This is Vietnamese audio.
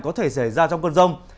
có thể xảy ra trong cơn rông